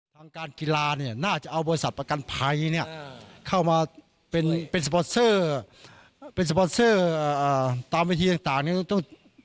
ทางการกีฬาเนี่ยน่าจะเอาบริษัทประกันภัยเนี่ยเข้ามาเป็นเป็นเป็นตามวิธีต่างต่างเนี่ยต้อง